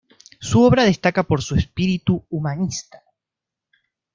Su obra destaca por su espíritu humanista.